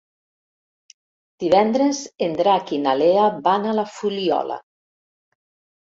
Divendres en Drac i na Lea van a la Fuliola.